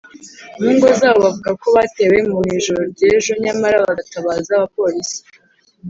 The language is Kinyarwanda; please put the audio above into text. mu ngo zabo bavuga ko batewe mu ijoro ryejo Nyamara bagatabaza abapolisi